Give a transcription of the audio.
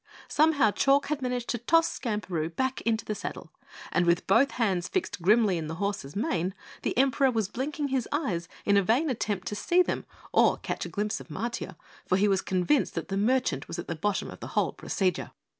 Somehow Chalk had managed to toss Skamperoo back into the saddle and with both hands fixed grimly in the horse's mane, the Emperor was blinking his eyes in a vain attempt to see them or catch a glimpse of Matiah, for he was convinced that the merchant was at the bottom of the whole procedure.